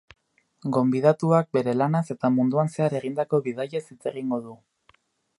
Gonbidatuak bere lanaz eta munduan zehar egindako bidaiez hitz egingo du.